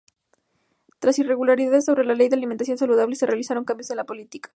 Tras irregularidades sobre la ley de alimentación saludable se realizaron cambios en la política.